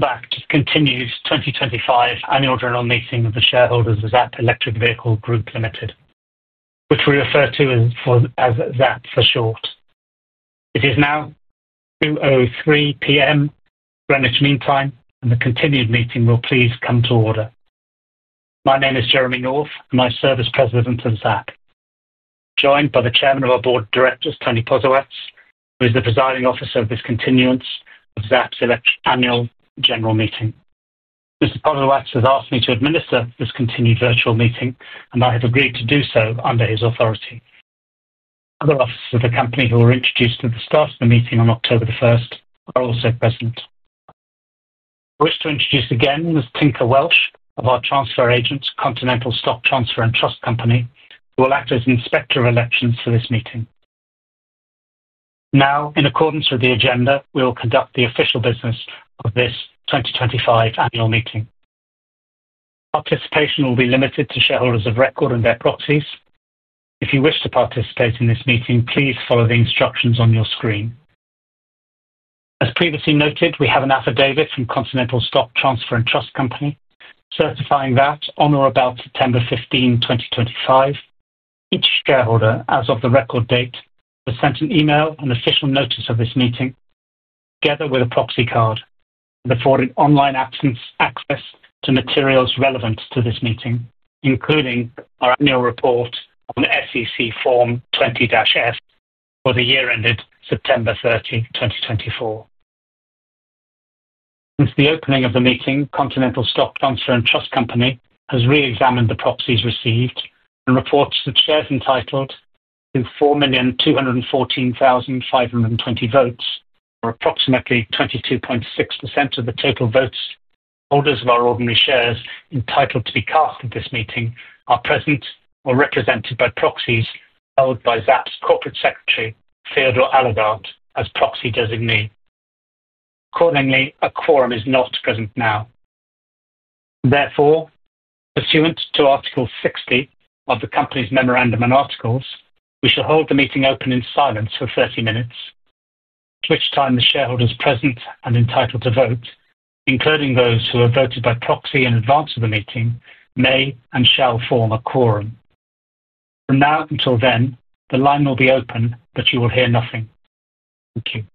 Back to continued 2025 annual general meeting of the shareholders of Zapp Electric Vehicles Group Limited, which we refer to as Zapp for short. It is now 2:03 P.M. Greenwich Mean Time, and the continued meeting will please come to order. My name is Jeremy North, my service President of Zapp. I'm joined by the Chairman of our Board of Directors, Tony Posawatz, who is the presiding officer of this continuance of Zapp's annual general meeting. Mr. Posawatz has asked me to administer this continued virtual meeting, and I have agreed to do so under his authority. Other officers of the company who were introduced at the start of the meeting on October 1st are also present. I wish to introduce again Ms. Tinka Welch, of our transfer agents, Continental Stock Transfer & Trust Company, who will act as the inspector of elections for this meeting. Now, in accordance with the agenda, we will conduct the official business of this 2025 annual meeting. Participation will be limited to shareholders of record and their proxies. If you wish to participate in this meeting, please follow the instructions on your screen. As previously noted, we have an affidavit from Continental Stock Transfer & Trust Company certifying that on or about September 15, 2025, each shareholder, as of the record date, was sent an email and official notice of this meeting, together with a proxy card, and afforded online access to materials relevant to this meeting, including our annual report on SEC Form 20-F for the year ended September 30th, 2024. Since the opening of the meeting, Continental Stock Transfer & Trust Company has re-examined the proxies received and reports that shares entitled in 4,214,520 votes, or approximately 22.6% of the total votes. Holders of our ordinary shares entitled to be counted at this meeting are present or represented by proxies held by Zapp's Corporate Secretary, Theodore Allegaert, as proxy designee. Accordingly, a quorum is not present now. Therefore, pursuant to Article 60 of the company's memorandum and articles, we shall hold the meeting open in silence for 30 minutes, at which time the shareholders present and entitled to vote, including those who have voted by proxy in advance of the meeting, may and shall form a quorum. From now until then, the line will be open, but you will hear nothing. It's 2:37 P.M.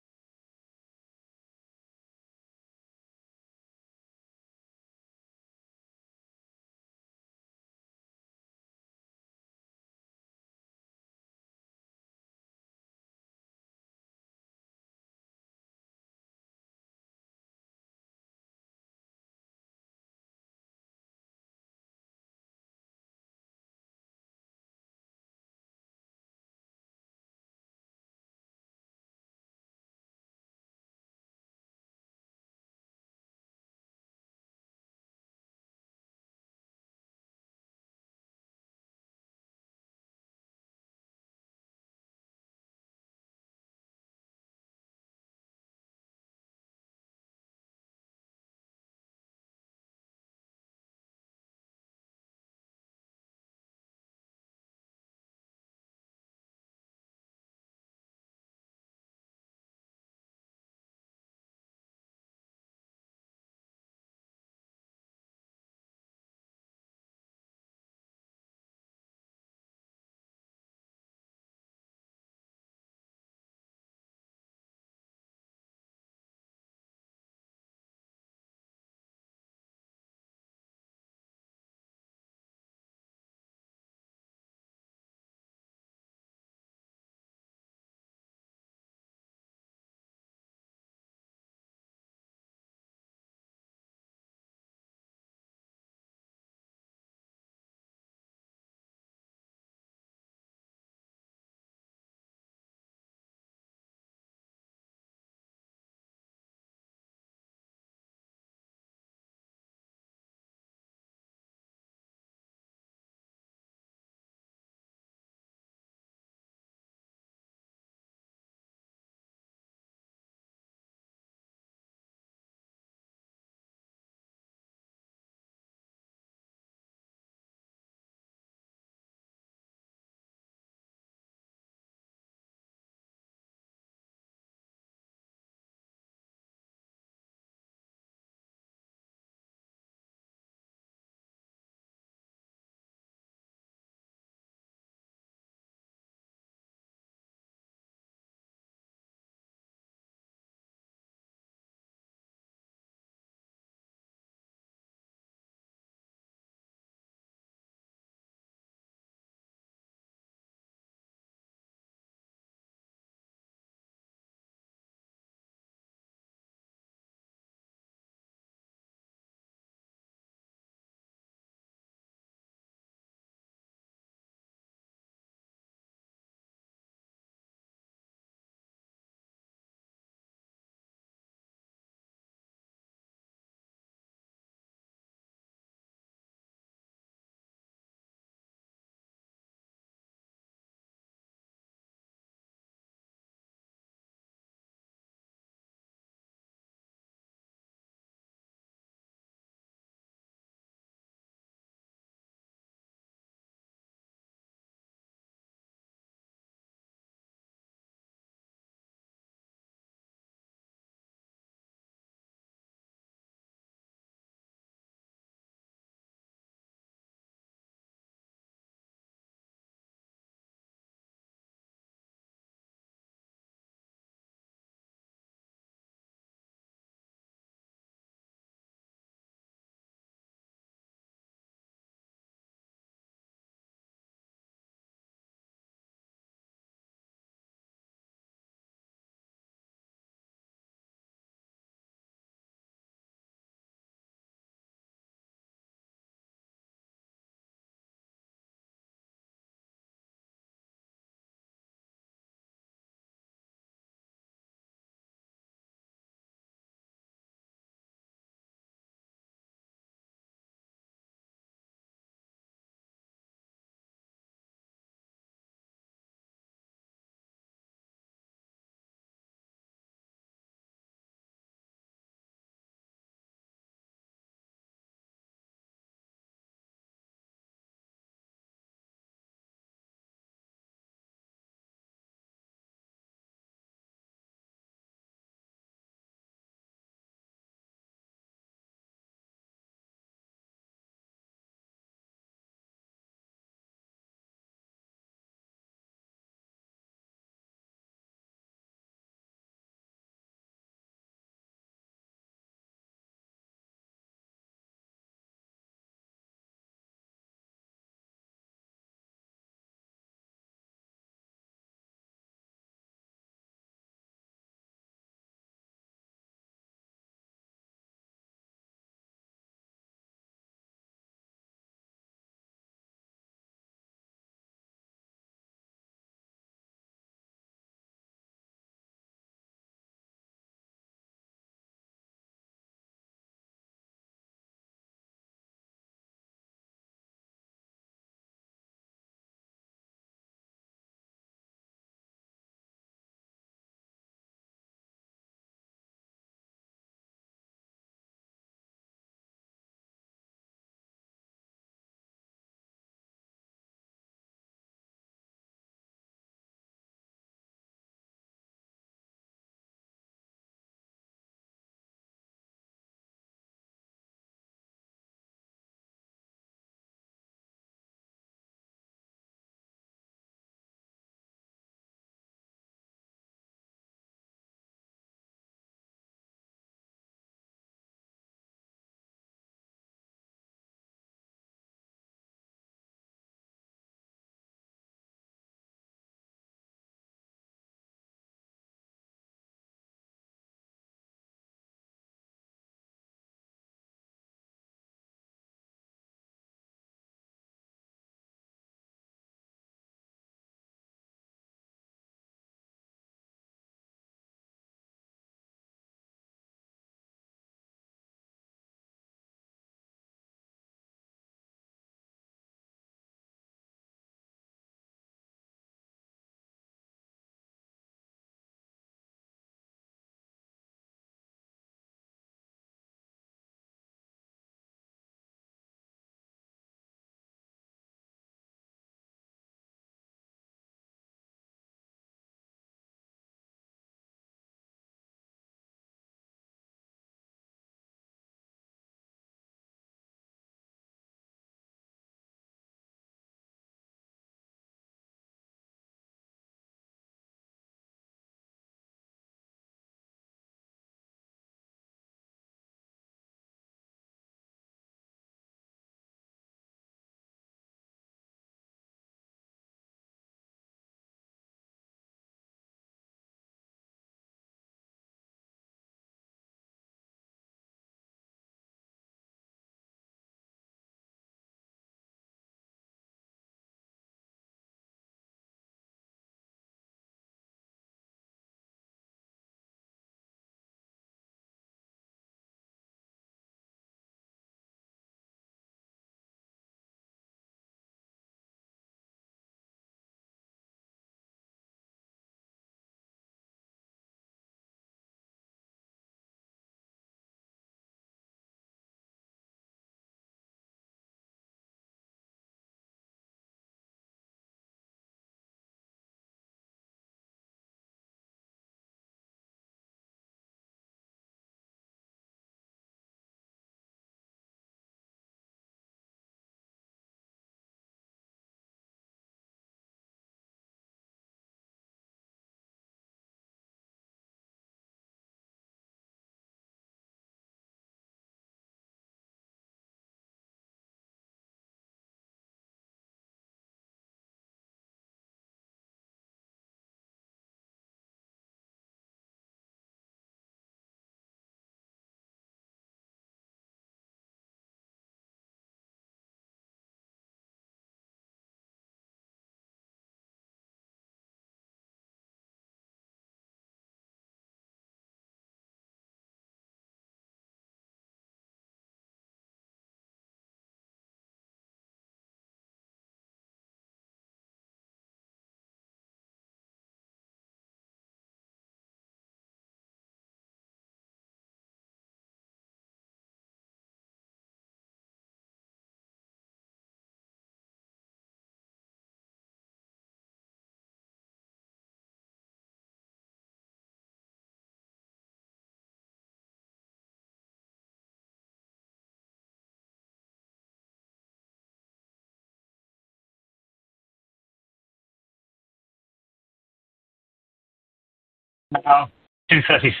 It's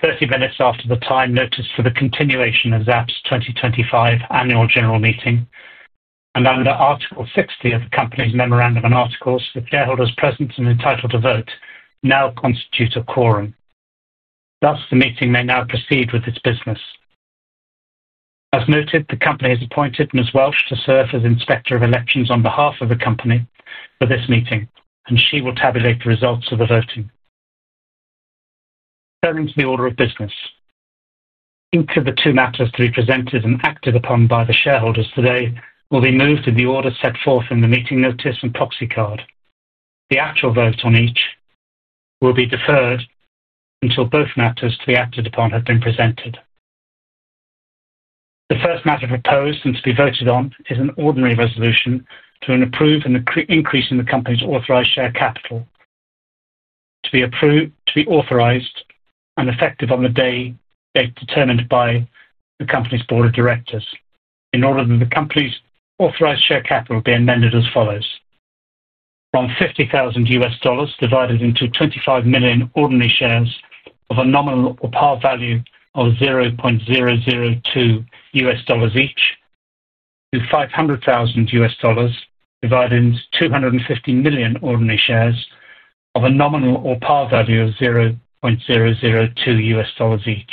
30 minutes after the time noticed for the continuation of Zapp's 2025 annual general meeting. Under Article 60 of the company's memorandum and articles, the shareholders present and entitled to vote now constitute a quorum. Thus, the meeting may now proceed with its business. As noted, the company has appointed Ms. Welch to serve as inspector of elections on behalf of the company for this meeting, and she will tabulate the results of the voting. Turning to the order of business, each of the two matters to be presented and acted upon by the shareholders today will be moved to the order set forth in the meeting notice and proxy card. The actual vote on each will be deferred until both matters to be acted upon have been presented. The first matter proposed and to be voted on is an ordinary resolution to approve an increase in the company's authorized share capital to be approved, to be authorized, and effective on the day determined by the company's board of directors. In order that the company's authorized share capital be amended as follows: from $50,000 divided into 25 million ordinary shares of a nominal or par value of $0.002 each, to $500,000 divided into 250 million ordinary shares of a nominal or par value of $0.002 each.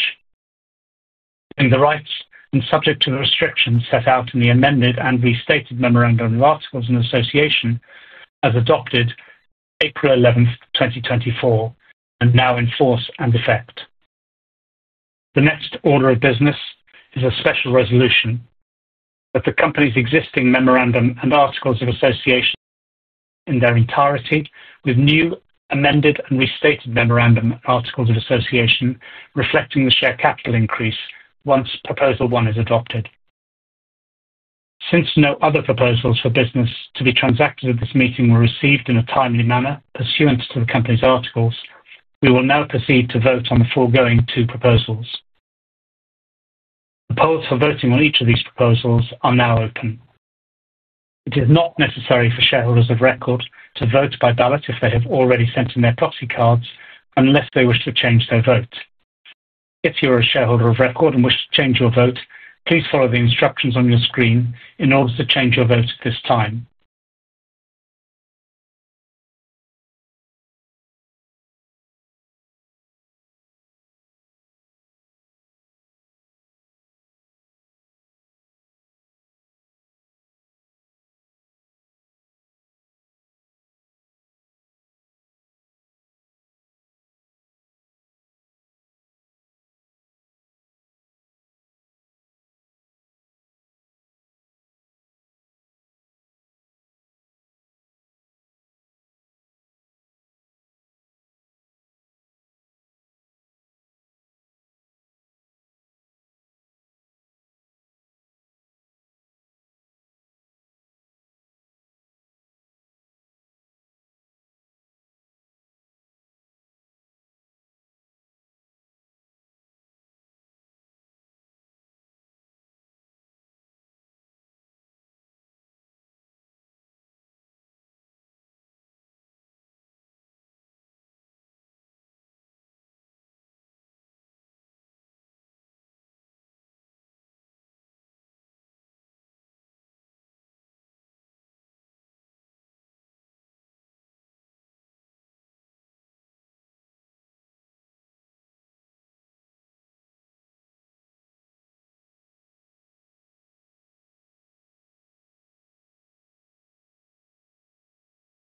In the rights and subject to the restrictions set out in the amended and restated memorandum and articles of association as adopted April 11, 2024, and now in force and effect. The next order of business is a special resolution that the company's existing memorandum and articles of association in their entirety be replaced with new amended and restated memorandum and articles of association reflecting the share capital increase once proposal one is adopted. Since no other proposals for business to be transacted at this meeting were received in a timely manner pursuant to the company's articles, we will now proceed to vote on the foregoing two proposals. The polls for voting on each of these proposals are now open. It is not necessary for shareholders of record to vote by ballot if they have already sent in their proxy cards unless they wish to change their vote. If you are a shareholder of record and wish to change your vote, please follow the instructions on your screen in order to change your vote at this time.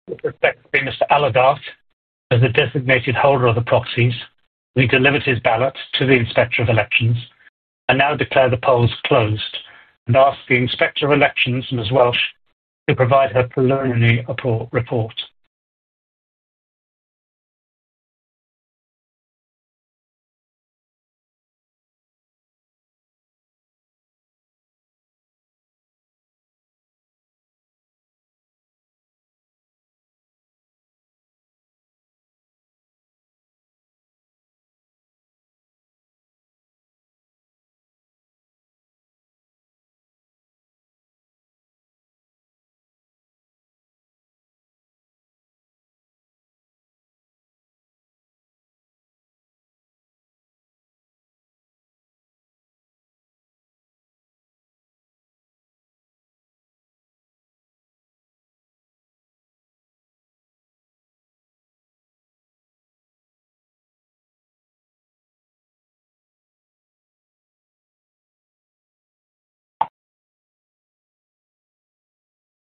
With respect to Mr. Allegaert, as the designated holder of the proxies, we delivered his ballot to the inspector of elections and now declare the polls closed and ask the inspector of elections, Ms. Welch, to provide her preliminary report.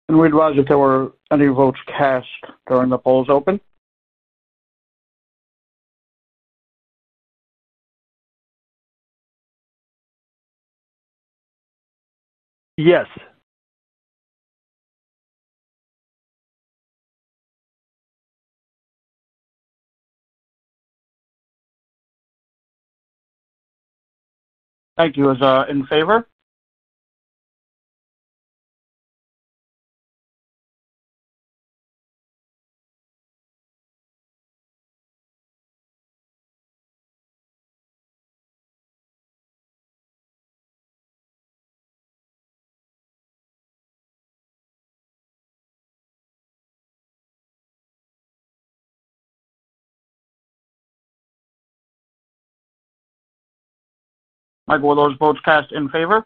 We advise if there were any votes cast during the polls open. Yes. Thank you. Is that in favor? Michael will vote cast in favor?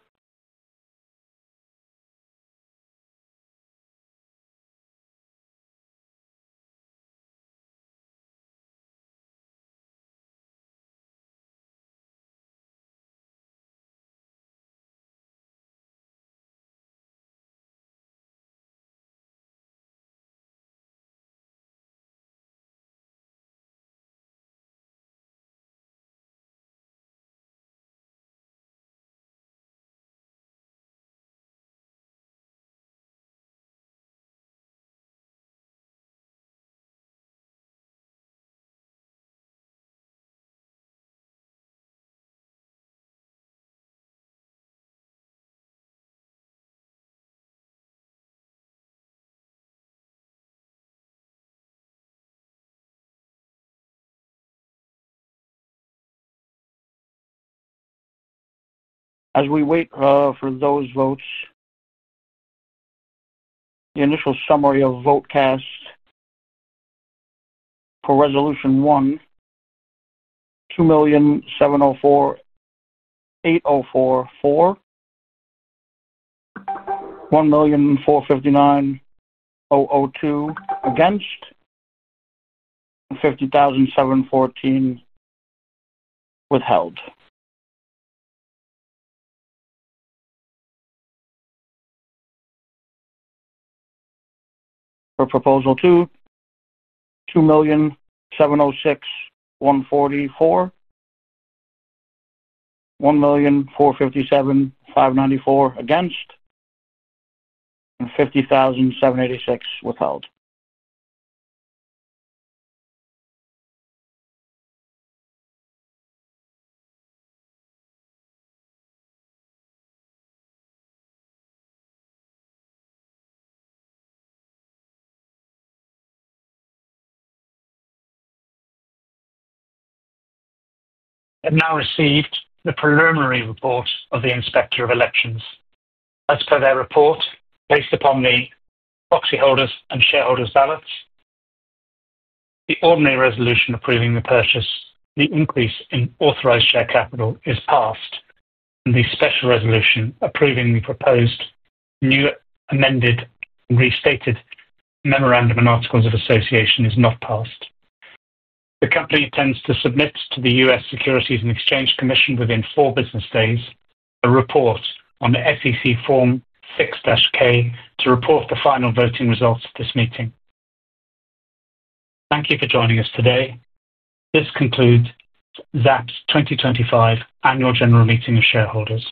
As we wait for those votes, the initial summary of vote cast for resolution one, 2,704,804 for, 1,459,002 against, and 50,714 withheld. For proposal two, 2,706,140 for, 1,457,594 against, and 50,786 withheld. We have now received the preliminary report of the inspector of elections. As per their report, based upon the proxy holders' and shareholders' ballots, the ordinary resolution approving the purchase, the increase in authorized share capital is passed, and the special resolution approving the proposed new amended and restated memorandum and articles of association is not passed. The company intends to submit to the U.S. Securities and Exchange Commission within four business days a report on SEC Form 6-K to report the final voting results of this meeting. Thank you for joining us today. This concludes Zapp's 2025 annual general meeting of shareholders.